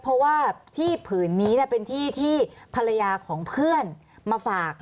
เพราะว่าที่ผืนนี้เป็นที่ที่ภรรยาของเพื่อนมาฝาก